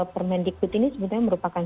permendikbud ini sebetulnya merupakan